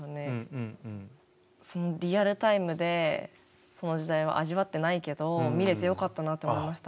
そのリアルタイムでその時代は味わってないけど見れてよかったなと思いました。